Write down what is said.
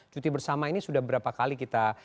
cuti bersama ini sudah berapa kali kita